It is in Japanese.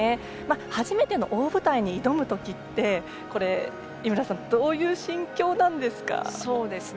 初めての大舞台に挑むときって井村さんどういう心境なんですか。